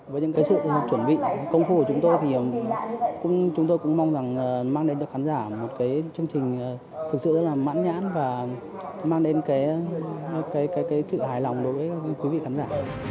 với những cái sự chuẩn bị công phu của chúng tôi thì chúng tôi cũng mong rằng mang đến cho khán giả một cái chương trình thực sự rất là mãn nhãn và mang đến cái sự hài lòng đối với quý vị khán giả